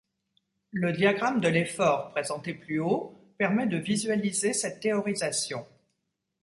Le diagramme de l'Effort, présenté plus haut, permet de visualiser cette théorisation.